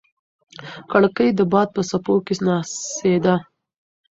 کړکۍ د باد په څپو کې ناڅېده.